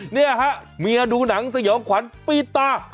เนี่ยฮะเมียดูหนังสยองขวัญปีดตา